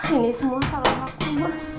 ini semua salah satu mas